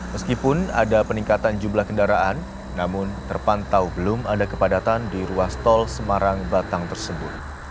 meskipun ada peningkatan jumlah kendaraan namun terpantau belum ada kepadatan di ruas tol semarang batang tersebut